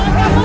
weh gara tapi